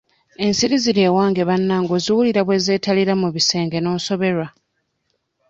Ensiri ziri ewange bannange oziwulira bwe zeetalira mu bisenge n'osoberwa.